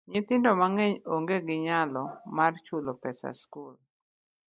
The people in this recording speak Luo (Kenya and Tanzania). Nyithindo mang'eny onge gi nyalo mar chulo pes skul.